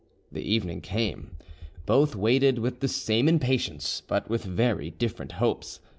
The evening came: both waited with the same impatience, but with very different hopes.